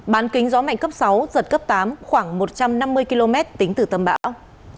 bán kính gió mạnh cấp sáu giật cấp tám khoảng một trăm năm mươi km tính từ tâm bão